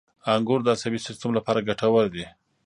• انګور د عصبي سیستم لپاره ګټور دي.